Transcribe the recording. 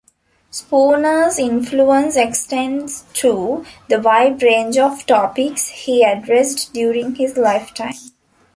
Spooner's influence extends to the wide range of topics he addressed during his lifetime.